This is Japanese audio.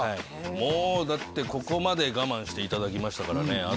もうもうだってここまで我慢していただきましたからね